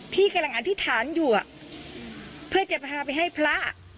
พี่กำลังอธิษฐานอยู่เพื่อจะพาไปให้พระ